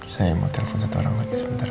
saya mau telepon satu orang lagi sebentar